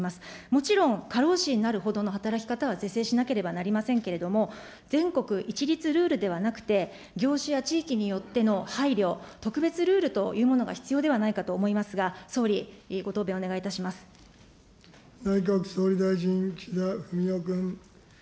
もちろん、過労死になるほどの働き方は是正しなければなりませんけれども、全国一律ルールではなくて、業種や地域によっての配慮、特別ルールというものが必要ではないかと思いますが、総理、ご答弁お願い内閣総理大臣、岸田文雄君。